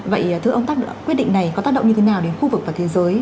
vậy thưa ông quyết định này có tác động như thế nào đến khu vực và thế giới